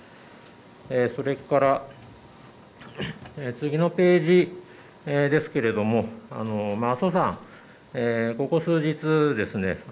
それから次のページですけれども阿蘇山、ここ数日ですね